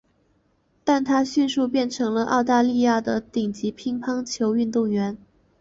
但她迅速变成为了澳大利亚的顶级乒乓球运动员。